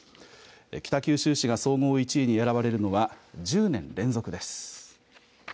北九州市が総合１位に選ばれるのは１０年連続です。